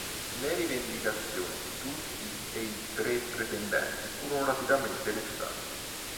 Le rivendicazioni di tutti e tre i pretendenti furono rapidamente rifiutate.